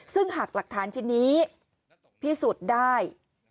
ซึ่งหากหลักฐานชิ้นนี้พิสูจน์ได้